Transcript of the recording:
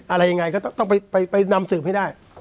อะไรยังไงก็ต้องไปนำสืบให้ได้